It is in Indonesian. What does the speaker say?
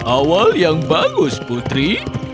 awal yang bagus putri